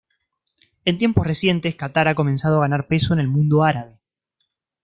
En tiempos recientes Catar ha comenzado a ganar peso en el mundo árabe.